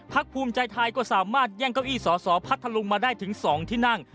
ภูมิใจไทยก็สามารถแย่งเก้าอี้สอสอพัทธลุงมาได้ถึง๒ที่นั่ง